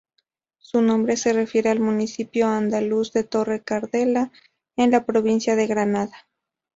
Su nombre se refiere al municipio andaluz de Torre-Cardela, en la provincia de Granada.